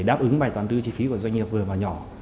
đáp ứng bài toán tươi chi phí của doanh nghiệp vừa và nhỏ